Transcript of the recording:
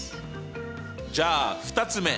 じゃあ２つ目。